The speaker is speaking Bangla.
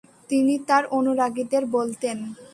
তিনি তার অনুরাগীদের বলতেন-